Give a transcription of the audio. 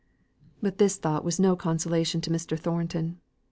But this thought was no consolation to Mr. Thornton.